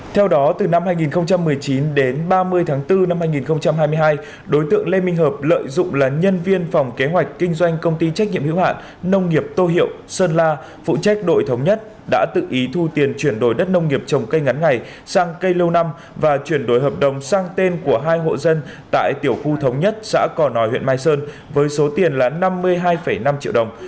theo đó từ năm hai nghìn một mươi chín đến ba mươi tháng bốn năm hai nghìn hai mươi hai đối tượng lê minh hợp lợi dụng là nhân viên phòng kế hoạch kinh doanh công ty trách nhiệm hữu hạn nông nghiệp tô hiệu sơn la phụ trách đội thống nhất đã tự ý thu tiền chuyển đổi đất nông nghiệp trồng cây ngắn ngày sang cây lâu năm và chuyển đổi hợp đồng sang tên của hai hộ dân tại tiểu khu thống nhất xã cò nòi huyện mai sơn với số tiền là năm mươi hai năm triệu đồng